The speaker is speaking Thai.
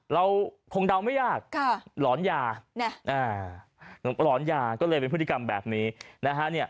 เราคงเดาไม่ยากหลอนยาหลอนยาก็เลยเป็นพฤติกรรมแบบนี้นะฮะ